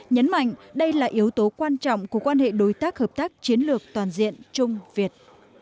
nhấn mạnh đây là yếu tố quan trọng của quan hệ đối tác hợp tác chiến lược toàn diện trung việt